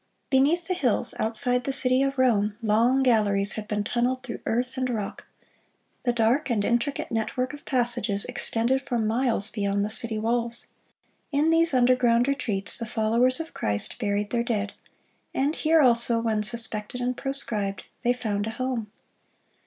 Beneath the hills outside the city of Rome, long galleries had been tunneled through earth and rock; the dark and intricate network of passages extended for miles beyond the city walls. In these underground retreats, the followers of Christ buried their dead; and here also, when suspected and proscribed, they found a home.